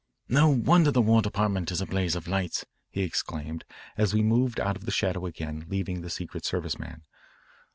"No wonder the War Department is a blaze of lights," he exclaimed as we moved out of the shadow again, leaving the Secret Service man.